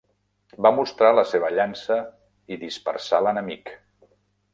Va mostrar la seva llança i dispersà l'enemic.